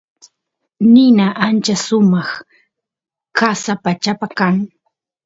nina ancha sumaq qasa pachapa kan